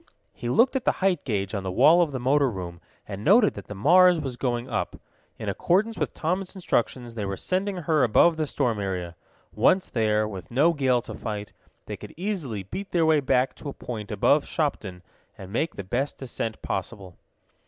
He looked at the height gauge on the wall of the motor room, and noted that the Mars was going up. In accordance with Tom's instructions they were sending her above the storm area. Once there, with no gale to fight, they could easily beat their way back to a point above Shopton, and make the best descent possible.